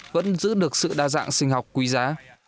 vẫn giữ được sự đa dạng sinh học quý giá